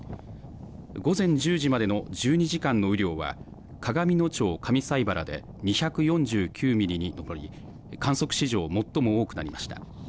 午前１０時までの１２時間の雨量は鏡野町上齋原で２４９ミリに上り、観測史上最も多くなりました。